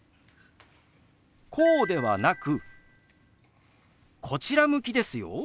こうではなくこちら向きですよ。